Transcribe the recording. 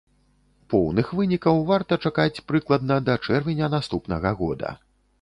Поўных вынікаў варта чакаць, прыкладна, да чэрвеня наступнага года.